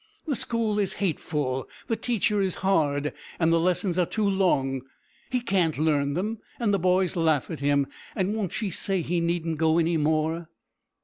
"The school is hateful; the teacher is hard, and the lessons are too long; he can't learn them, and the boys laugh at him, and won't she say he needn't go any more?"